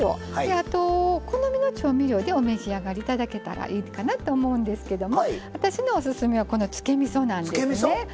あとお好みの調味料でお召し上がり頂けたらいいかなと思うんですけども私のオススメはこのつけみそなんですね。